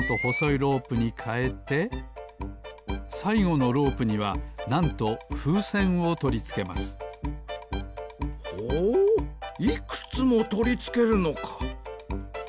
ロープにかえてさいごのロープにはなんとふうせんをとりつけますほういくつもとりつけるのか。